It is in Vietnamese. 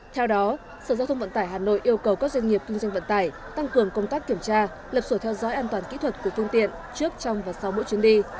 theo đó sở giao thông vận tải hà nội yêu cầu các doanh nghiệp kinh doanh vận tải tăng cường công tác kiểm tra lập sổ theo dõi an toàn kỹ thuật của phương tiện trước trong và sau mỗi chuyến đi